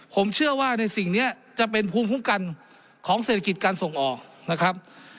ผมเชื่อว่าในสิ่งนี้จะเป็นภูมิคุ้มกันของเศรษฐกิจการส่งออกนะครับ